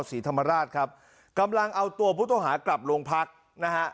ศรีธรรมราชครับกำลังเอาตัวพุธหากลับลงพักนะฮะ